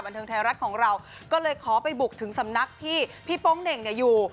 เทิงไทยรัฐของเราก็เลยขอไปบุกถึงสำนักที่พี่โป๊งเหน่งเนี่ยอยู่